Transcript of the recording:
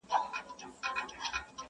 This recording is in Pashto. دې مړۍ ته د ګیدړ ګېډه جوړيږي!.